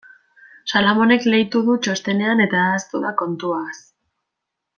Salamonek leitu du txostenean eta ahaztu da kontuaz.